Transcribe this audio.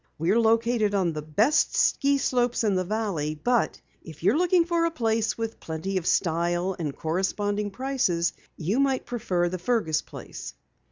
We're located on the best ski slopes in the valley. But if you're looking for a place with plenty of style and corresponding prices you might prefer the Fergus place."